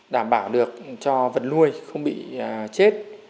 đảm bảo được cho vật nuôi không bị chết